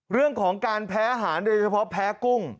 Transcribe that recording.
เรื่องของการแพ้อาหารโดยเฉพาะแพ้กุ้ง